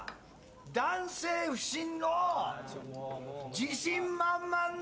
男性不信の自信満々の！